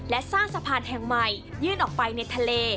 และสร้างสะพานแห่งใหม่ยื่นออกไปในทะเล